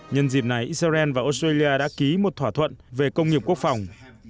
nhân dịp này israel và australia đã ký một thỏa thuận về công nghiệp quốc phòng